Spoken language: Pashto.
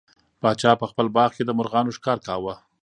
پاچا په خپل باغ کې د مرغانو ښکار کاوه.